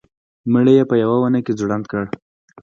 مړی یې په یوه ونه کې ځوړند کړ.